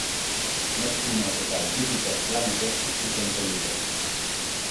Neptuno eta Jupiter planetek zuzentzen dute.